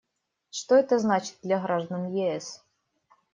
Что это значит для граждан ЕС?